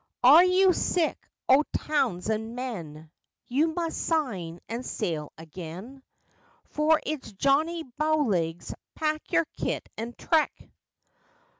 ] Are you sick o' towns and men? You must sign and sail again, For it's "Johnny Bowlegs, pack your kit and trek!"